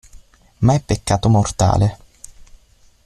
Ma è peccato mortale.